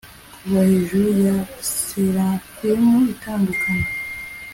kuva hejuru ya seraphimu itandukanye